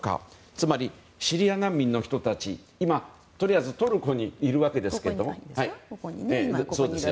つまり、シリア難民の人たちは今、とりあえずトルコにいます。